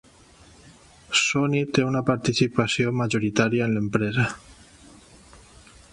Sony té una participació majoritària en l'empresa.